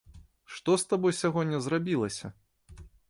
Што з табой сягоння зрабілася?